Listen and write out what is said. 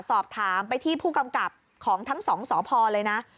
สอบถามไปที่ผู้กำกับของทั้งสองสพเลยนะ